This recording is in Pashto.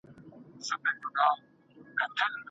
ښايي د هغوی شتمني د هغوی د سرکښۍ سبب سي.